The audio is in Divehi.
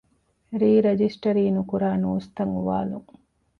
ރީ ރަޖިސްޓަރީ ނުކުރާ ނޫސްތައް އުވާލުން